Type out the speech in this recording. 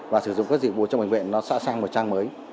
và sử dụng các dịch vụ trong bệnh viện nó xã sang một trang mới